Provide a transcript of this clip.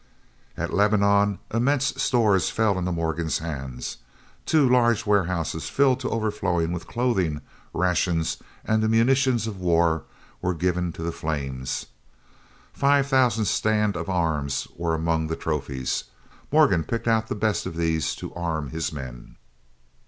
At Lebanon immense stores fell into Morgan's hands. Two large warehouses filled to overflowing with clothing, rations, and the munitions of war were given to the flames. Five thousand stand of arms were among the trophies; Morgan picked out the best of these to arm his men.